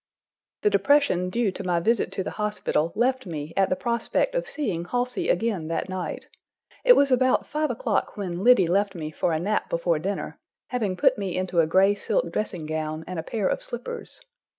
The depression due to my visit to the hospital left me at the prospect of seeing Halsey again that night. It was about five o'clock when Liddy left me for a nap before dinner, having put me into a gray silk dressing gown and a pair of slippers.